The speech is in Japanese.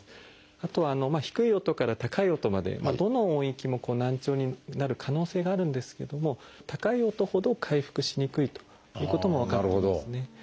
あと低い音から高い音までどの音域も難聴になる可能性があるんですけども高い音ほど回復しにくいということも分かってますね。